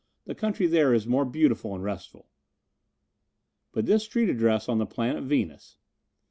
The country there is more beautiful and restful. "But this street address on the planet Venus.